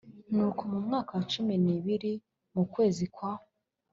Nuko mu mwaka wa cumi n ibiri mu kwezi kwa